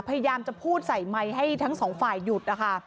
พยายามจะพูดใส่ไมค์ให้ทั้งสองฝ่ายหยุดนะคะ